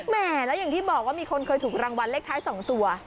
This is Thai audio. แม่แล้วอย่างที่บอกว่ามีคนเคยถูกรางวัลเลขท้าย๒ตัว